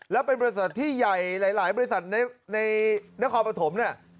แล้วเป็นบริษัทที่ใหญ่หลายบริษัทในนครปฐมเนี่ย